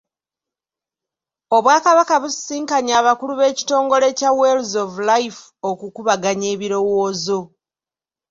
Obwakabaka busisinkanye abakulu b'ekitongole kya Wells of Life okukubaganya ebirowoozo.